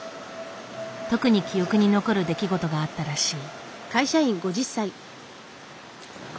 特に記憶に残る出来事があったらしい。